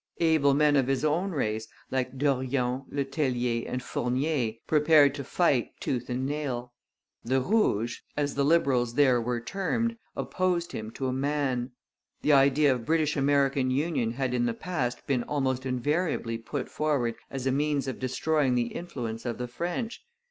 Able men of his own race, like Dorion, Letellier, and Fournier, prepared to fight tooth and nail. The Rouges, as the Liberals there were termed, opposed him to a man. The idea of British American union had in the past been almost invariably put forward as a means of destroying the influence of the French.